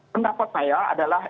pendapat saya adalah